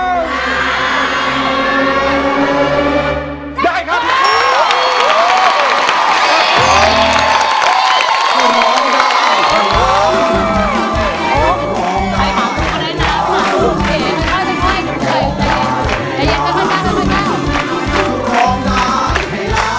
ได้ครับ